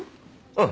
うん。